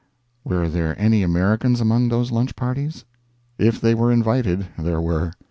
Were there any Americans among those lunch parties? If they were invited, there were.